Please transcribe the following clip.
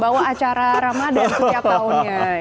bawa acara ramadhan setiap tahunnya